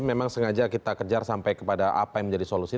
memang sengaja kita kejar sampai kepada apa yang menjadi solusi